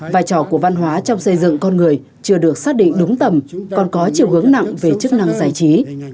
vai trò của văn hóa trong xây dựng con người chưa được xác định đúng tầm còn có chiều hướng nặng về chức năng giải trí